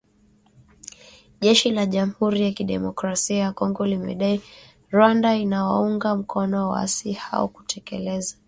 Jeshi la Jamhuri ya Kidemokrasia ya Kongo limedai Rwanda inawaunga mkono waasi hao kutekeleza mashambulizi dhidi ya kambi za jeshi mashariki mwa nchi hiyo.